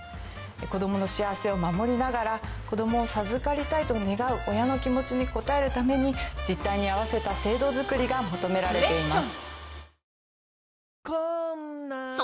子供の幸せを守りながら子供を授かりたいと願う親の気持ちに応えるために実態に合わせた制度づくりが求められています。